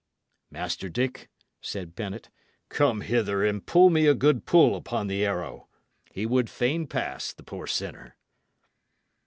"Master Dick," said Bennet, "come hither, and pull me a good pull upon the arrow. He would fain pass, the poor sinner."